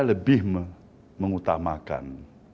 saya lebih mengutamakan